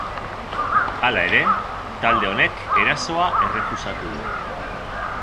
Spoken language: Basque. Hala ere, talde honek erasoa errefusatu du.